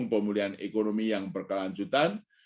dan penggunaan ekonomi yang berkelanjutan